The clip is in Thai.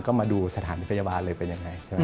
ก็มาดูสถานที่พยาบาลเลยเป็นอย่างไร